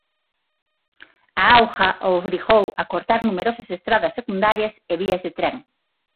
A auga obrigou a cortar numerosas estradas secundarias e vías de tren.